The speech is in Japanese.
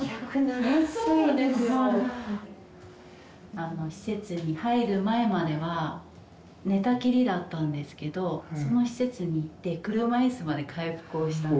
あの施設に入る前までは寝たきりだったんですけどその施設に行って車いすまで回復をしたんですよ。